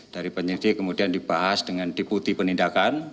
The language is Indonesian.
dari penyelidik kemudian dibahas dengan diputi penindakan